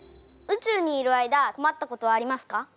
宇宙にいる間こまったことはありますか？